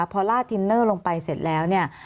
พอลาดทินเนอร์ลงไปเสร็จแล้วเนี่ย